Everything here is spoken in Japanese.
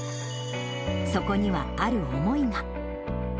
そこにはある思いが。